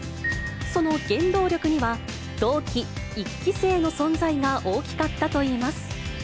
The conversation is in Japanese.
その原動力には同期・１期生の存在が大きかったといいます。